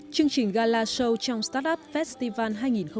chương trình gala show trong startup festival hai nghìn một mươi sáu